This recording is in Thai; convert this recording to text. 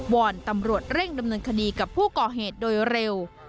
อนตำรวจเร่งดำเนินคดีกับผู้ก่อเหตุโดยเร็ว